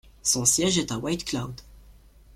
Son siège est à White Cloud.